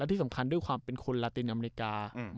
ที่สำคัญด้วยความเป็นคนลาตินอเมริกา